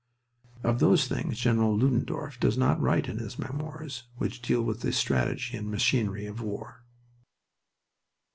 Of those things General Ludendorff does not write in his Memoirs, which deal with the strategy and machinery of war.